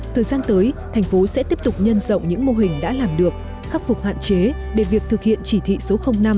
thời gian tới thành phố sẽ tiếp tục nhân rộng những mô hình đã làm được khắc phục hạn chế để việc thực hiện chỉ thị số năm